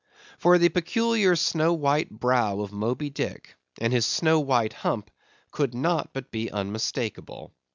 For the peculiar snow white brow of Moby Dick, and his snow white hump, could not but be unmistakable.